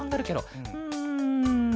うん。